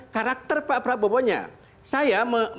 karakter pak prabowo nya saya